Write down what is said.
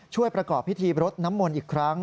ประกอบพิธีรดน้ำมนต์อีกครั้ง